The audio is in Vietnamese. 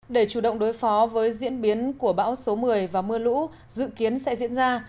để chủ động đối phó với diễn biến của bão số một mươi và mưa lũ dự kiến sẽ diễn ra